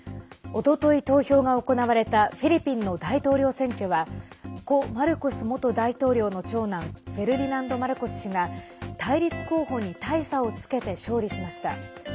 おととい投票が行われたフィリピンの大統領選挙は故マルコス元大統領の長男フェルディナンド・マルコス氏が対立候補に大差をつけて勝利しました。